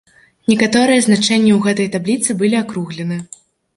Некаторыя значэнні ў гэтай табліцы былі акруглены.